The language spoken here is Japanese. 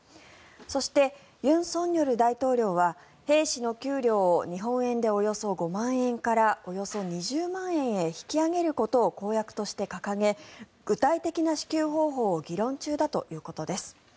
そして、尹錫悦大統領は兵士の給料を日本円でおよそ５万円からおよそ２０万円へ引き上げることを公約として掲げ具体的な支給方法を議論中だということです。